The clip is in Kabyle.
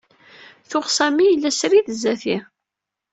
Tuɣ Sami yella srid sdat-i.